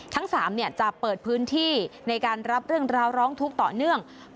ทั้ง๓จะเปิดพื้นที่ในการรับเรื่องราวร้องทุกข์ต่อเนื่อง